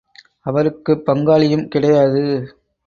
அவருக்குப் பங்காளியும் கிடையாது.